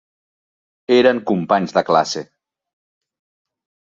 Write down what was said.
Eren companys de classe.